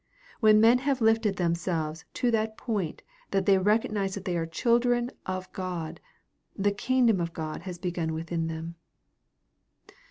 When men have lifted themselves to that point that they recognize that they are the children of God, the kingdom of God has begun within them.